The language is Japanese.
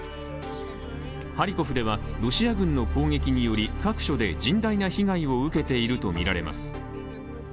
ハリコフではロシア軍の攻撃により各所で甚大な被害を受けているとみられます。